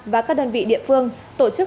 và các đơn vị địa phương tổ chức